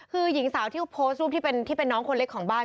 คือหญิงสาวที่โพสต์รูปที่เป็นน้องคนเล็กของบ้าน